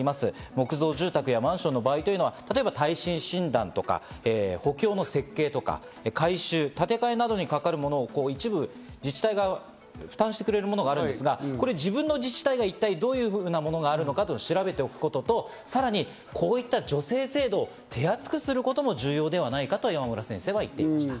木造住宅やマンションの場合というのは、例えば耐震診断とか補強の設計とか、改修、建て替えなどにかかるものを一部自治体が負担してくれるものがあるんですが、自分の自治体が一体どういうものがあるのか調べておくことと、さらにこういった助成制度を手厚くすることも重要ではないかと、山村先生は言っていました。